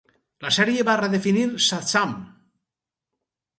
La sèrie va redefinir Shazam!